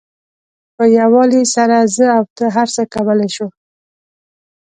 په یووالي سره زه او ته هر څه کولای شو.